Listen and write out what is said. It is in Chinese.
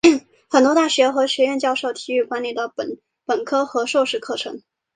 很多大学和学院教授体育管理的本科和硕士课程。